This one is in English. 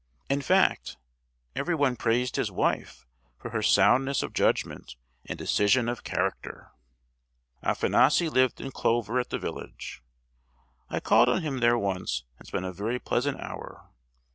In fact, everyone praised his wife for her soundness of judgment and decision of character! Afanassy lived in clover at the village. I called on him there once and spent a very pleasant hour.